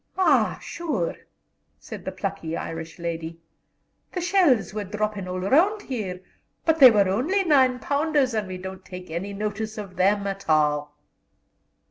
"Ah, shure!" said the plucky Irish lady, "the shells were dhroppin' all round here; but they were only nine pounders, and we don't take any notice of them at all."